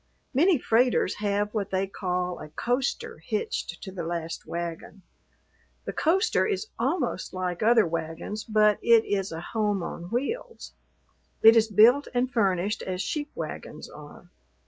Many freighters have what they call a coaster hitched to the last wagon. The coaster is almost like other wagons, but it is a home on wheels; it is built and furnished as sheep wagons are.